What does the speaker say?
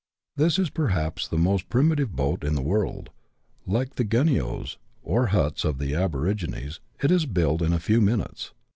This is perhaps the most primitive boat in the world : like the " gunyio's," or huts, of the aborigines, it is built in a few minutes.